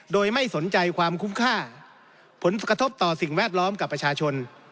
โดยไม่สนใจความคุ้มค่าผลกระทบต่อสิ่งแวดล้อมกับประชาชน